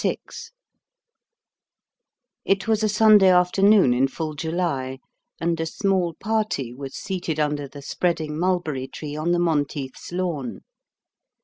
VI It was a Sunday afternoon in full July, and a small party was seated under the spreading mulberry tree on the Monteiths' lawn.